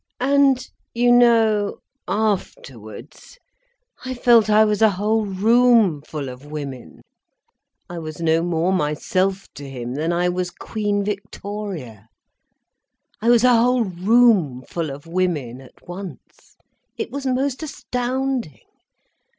And you know, afterwards—I felt I was a whole roomful of women. I was no more myself to him, than I was Queen Victoria. I was a whole roomful of women at once. It was most astounding!